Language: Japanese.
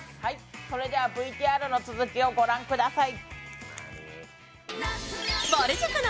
それではＶＴＲの続きをご覧ください。